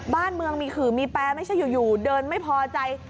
บ้านเมืองมีขื่อมีแปรไม่ใช่อยู่เดินไม่พอใจ